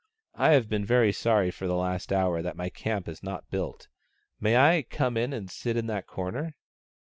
I have been very sorry for the last hour that my camp is not built. May I come in and sit in that corner